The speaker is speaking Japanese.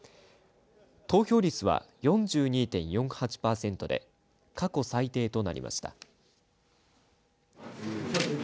投票率は４２．４８パーセントで過去最低となりました。